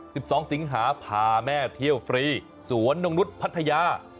สิบสองสิงหาพาแม่เที่ยวฟรีสวนนกนุษย์พัทยา